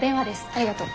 ありがとう。